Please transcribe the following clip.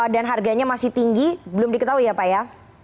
dan harganya masih tinggi belum diketahui ya pak ya